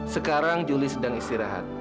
sekarang julie sedang istirahat